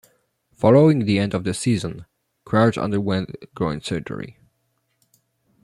Following the end of the season, Crouch underwent groin surgery.